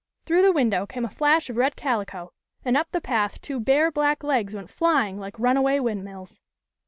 Through the window came a flash of red calico, and up the path two bare black legs went flying like run away windmills.